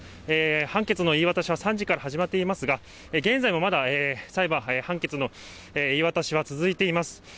判決の言い渡しは３時から始まっていますが、現在もまだ裁判、判決の言い渡しは続いています。